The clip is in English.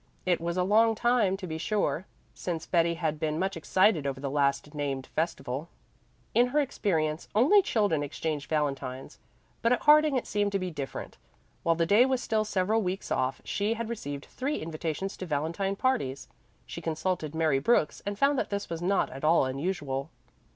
It was a long time, to be sure, since Betty had been much excited over the last named festival; in her experience only children exchanged valentines. But at Harding it seemed to be different. While the day was still several weeks off she had received three invitations to valentine parties. She consulted Mary Brooks and found that this was not at all unusual.